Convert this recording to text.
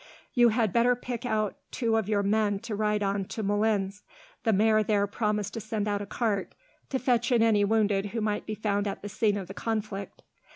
"You had better pick out two of your men to ride on to Moulins. The mayor there promised to send out a cart, to fetch in any wounded who might be found at the scene of the conflict.